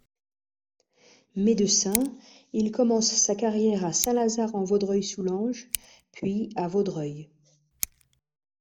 Médecin, il commence sa carrière à Saint-Lazare en Vaudreuil-Soulanges puis à Vaudreuil.